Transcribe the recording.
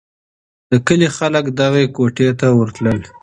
د کلي خلک دغه کوټې ته ورتلل.